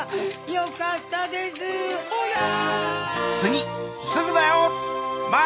よかったですホラ！